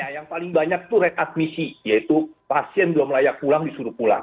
yang paling banyak itu rekadmisi yaitu pasien belum layak pulang disuruh pulang